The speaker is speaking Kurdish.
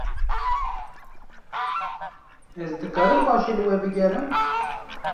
Ez dikarim paşê li we bigerim?